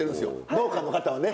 農家の方はね。